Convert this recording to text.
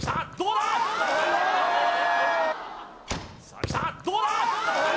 さあきたどうだ？